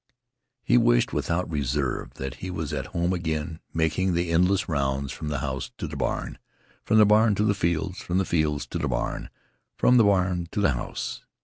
He wished, without reserve, that he was at home again making the endless rounds from the house to the barn, from the barn to the fields, from the fields to the barn, from the barn to the house.